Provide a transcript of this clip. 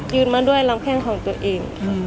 ยืนมาด้วยรังแพงของตัวเอง